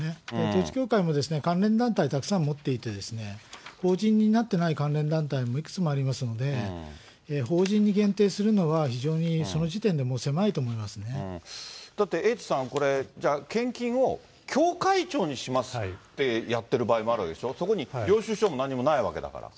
統一教会も関連団体、たくさん持っていて、法人になっていない関連団体もいくつもありますので、法人に限定するのは非常にその時だってエイトさん、これ、献金を教会長にしますとやってる場合もあるわけでしょ、そこに領収書も何にもないわけだから。